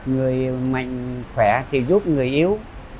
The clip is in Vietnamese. người mạnh khỏe thì giúp người yếu